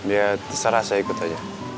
ya terserah saya ikut aja